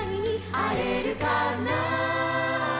「あえるかな」